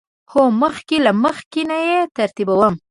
هو، مخکې له مخکی نه یی ترتیبوم